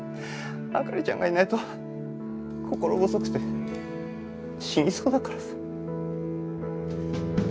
灯ちゃんがいないと心細くて死にそうだからさ。